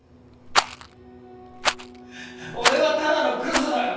俺はただのクズだよ。